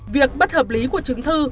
việc bất hợp lý của chứng thư